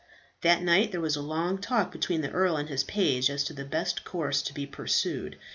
That night there was a long talk between the earl and his page as to the best course to be pursued.